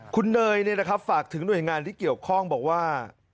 คุณเนยเนี่ยนะครับฝากถึงหน่วยงานที่เกี่ยวข้องบอกว่า